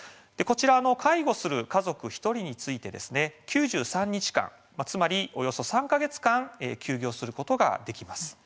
介護する家族１人について９３日間、つまりおよそ３か月間休業することができます。